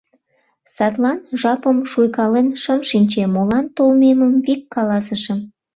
Садлан жапым шуйкален шым шинче, молан толмемым вик каласышым: